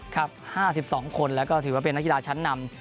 ๕๒คนแล้วก็ถือว่าเป็นนักกีฬาชั้นนำ